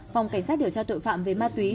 phòng cảnh sát điều tra tội phạm về ma túy